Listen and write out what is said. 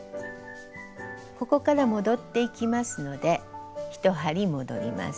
ここから戻っていきますので１針戻ります。